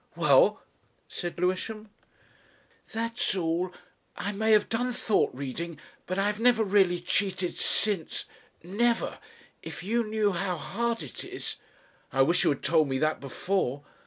"Well?" said Lewisham. "That's all. I may have done thought reading, but I have never really cheated since never.... If you knew how hard it is ..." "I wish you had told me that before."